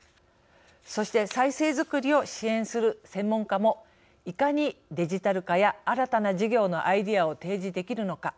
そして再生づくりを支援する専門家もいかにデジタル化や新たな事業のアイデアを提示できるのか。